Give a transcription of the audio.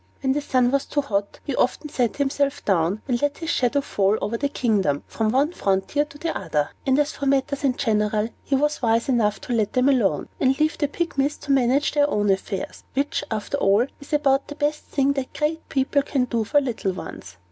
When the sun was too hot, he often sat himself down, and let his shadow fall over the kingdom, from one frontier to the other; and as for matters in general, he was wise enough to let them alone, and leave the Pygmies to manage their own affairs which, after all, is about the best thing that great people can do for little ones.